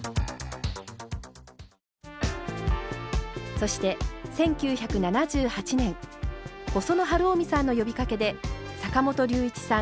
そして１９７８年細野晴臣さんの呼びかけで坂本龍一さん